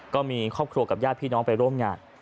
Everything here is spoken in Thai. ก็มีครอบครัวกับญาติพี่น้องไปร่วมงาน